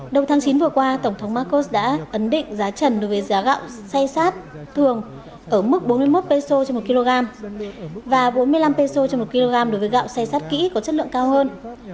đầu tháng chín vừa qua tổng thống marcos đã ấn định giá trần đối với giá gạo xay sát thường ở mức bốn mươi một peso cho một kg và bốn mươi năm peso cho một kg đối với gạo xay sát kỹ có chất lượng cao hơn